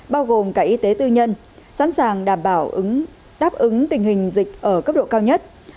bao gồm cả y tế tư nhân sẵn sàng đảm bảo đáp ứng tình hình dịch ở cấp độ cao nhất